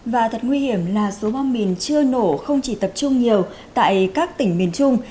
và thật nguy hiểm là số bom mìn chưa nổ không chỉ tập trung nhiều tại các tỉnh miền trung